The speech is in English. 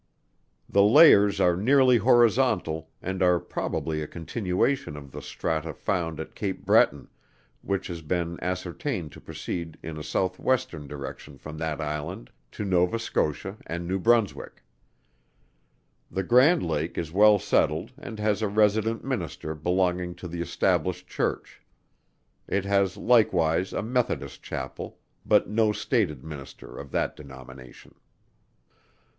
The layers are nearly horizontal, and are probably a continuation of the strata found at Cape Breton, which has been ascertained to proceed in a Southwestern direction from that island, to Nova Scotia and New Brunswick. The Grand Lake is well settled, and has a resident Minister belonging to the Established Church. It has likewise a Methodist Chapel; but no stated minister of that denomination.